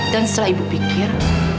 dan setelah ibu pikir